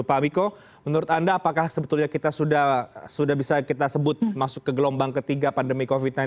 pak miko menurut anda apakah sebetulnya kita sudah bisa kita sebut masuk ke gelombang ketiga pandemi covid sembilan belas